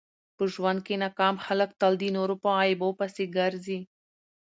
په ژوند کښي ناکام خلک تل د نور په عیبو پيسي ګرځي.